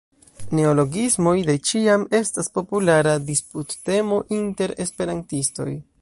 Neologismoj de ĉiam estas populara disputtemo inter esperantistoj.